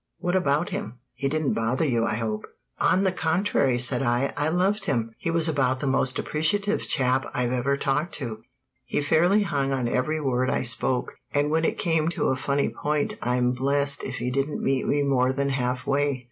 What about him he didn't bother you, I hope?" "On the contrary," said I, "I loved him. He was about the most appreciative chap I ever talked to. He fairly hung on every word I spoke, and when it came to a funny point I'm blest if he didn't meet me more than halfway!"